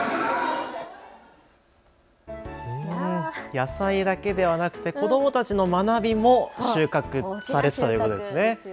野菜だけではなくて子どもたちの学びも収穫ということですね。